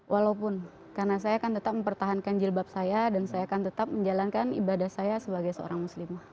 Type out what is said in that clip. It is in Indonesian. walaupun karena saya akan tetap mempertahankan jilbab saya dan saya akan tetap menjalankan ibadah saya sebagai seorang muslimah